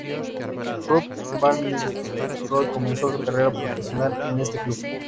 Ruud van Nistelrooy comenzó su carrera profesional en este club.